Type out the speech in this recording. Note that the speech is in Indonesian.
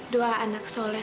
doa anak soleh